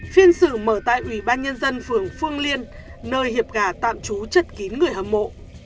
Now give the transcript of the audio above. phiên xử mở tại ủy ban nhân dân phường phương liên nơi hiệp gà tạm trú chật kín người hâm mộ